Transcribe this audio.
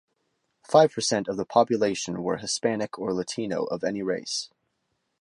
Five percent of the population were Hispanic or Latino of any race.